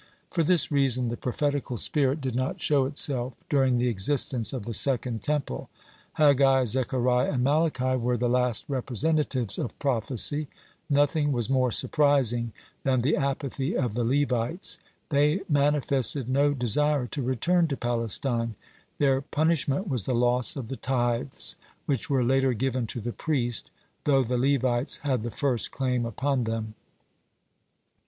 For this reason the prophetical spirit did not show itself during the existence of the Second Temple. Haggai, Zechariah, and Malachi were the last representatives of prophecy. (36) Nothing was more surprising than the apathy of the Levites. They manifested no desire to return to Palestine. Their punishment was the loss of the tithes, which were later given to the priest, though the Levites had the first claim upon them.